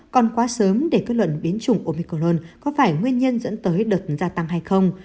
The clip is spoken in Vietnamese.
còn quá sớm để kết luận biến chủng omicol có phải nguyên nhân dẫn tới đợt gia tăng hay không